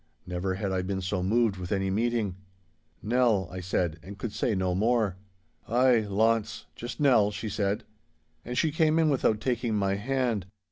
Never had I been so moved with any meeting. 'Nell!' I said, and could say no more. 'Ay, Launce—just Nell!' she said. And she came in without taking my hand.